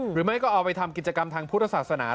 หรือไม่ก็เอาไปทำกิจกรรมทางพุทธศาสนา